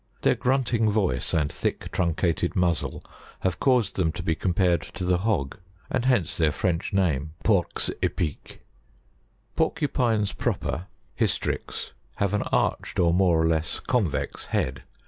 Their grunting voice and thick truncated muzzle have caused them to be compared to the hog, and hence their French name, Pores Epics. 56. PORCUPINES PROPER, Hystrix, have an arched or more or less convex head.